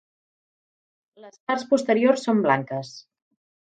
Les parts posteriors són blanques.